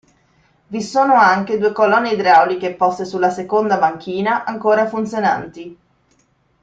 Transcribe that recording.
Vi sono anche due colonne idrauliche poste sulla seconda banchina ancora funzionanti.